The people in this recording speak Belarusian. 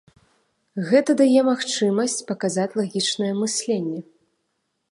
Гэта дае магчымасць паказаць лагічнае мысленне.